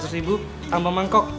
dua ratus ribu tambah mangkok